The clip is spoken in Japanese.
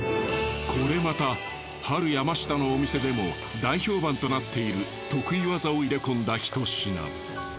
これまたハルヤマシタのお店でも大評判となっている得意技を入れ込んだひと品。